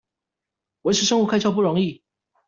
維持生活開銷不容易